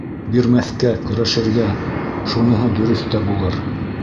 Бирмәҫкә, көрәшергә, шуныһы дөрөҫ тә булыр.